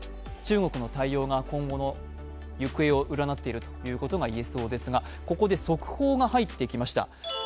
中国の対応が今後の行方を占っているということがいえそうですがここで速報が入ってきました。